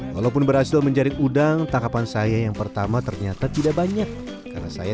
walaupun berhasil menjaring udang tangkapan saya yang pertama ternyata tidak banyak karena saya